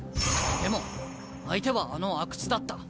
でも相手はあの阿久津だった。